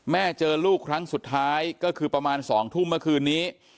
เจอลูกครั้งสุดท้ายก็คือประมาณ๒ทุ่มเมื่อคืนนี้